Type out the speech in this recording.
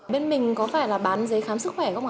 bên mình có phải là bán giấy khám sức khỏe không ạ